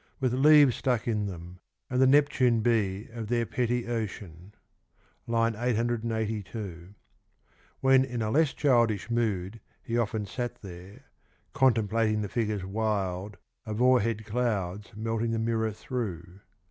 With leaves stuck in them ; and the Neptune be Of their petty ocean. (I. 882) When in a less childish mood he often sat there contemplating the figures wild Of o'er head clouds melting the mirror through.